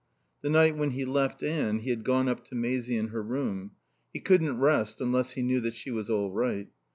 The night when he left Anne he had gone up to Maisie in her room. He couldn't rest unless he knew that she was all right.